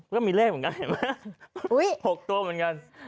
ก็มีเลขเหมือนกันเห็นไหม๖ตัวเหมือนกัน